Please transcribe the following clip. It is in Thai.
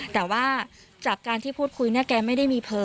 แต่ว่าจากการที่พูดคุยเนี่ยแกไม่ได้มีเผลอ